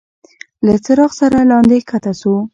له څراغ سره لاندي کښته شو.